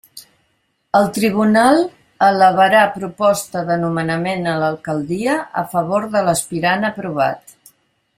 El tribunal elevarà proposta de nomenament a l'Alcaldia a favor de l'aspirant aprovat.